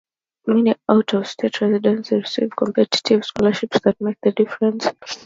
Many out-of-state residents receive competitive scholarships that make up the difference.